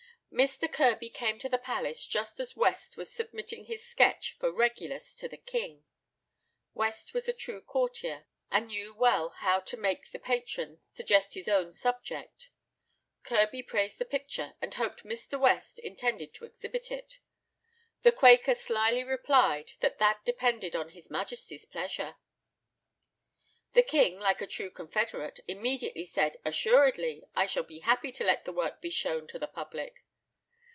Mr. Kirby came to the palace just as West was submitting his sketch for "Regulus" to the king. West was a true courtier, and knew well how to make a patron suggest his own subject. Kirby praised the picture, and hoped Mr. West intended to exhibit it. The Quaker slily replied that that depended on his majesty's pleasure. The king, like a true confederate, immediately said, "Assuredly I shall be happy to let the work be shown to the public."